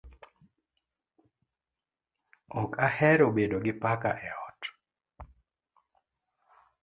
Ok ahero bedo gi paka e ot